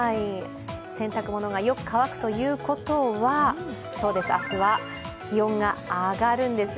洗濯物がよく乾くということは明日は気温が上がるんです。